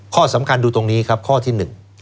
ข้อสำคัญดูตรงนี้ครับข้อที่หนึ่ง